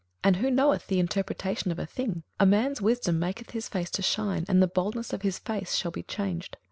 and who knoweth the interpretation of a thing? a man's wisdom maketh his face to shine, and the boldness of his face shall be changed.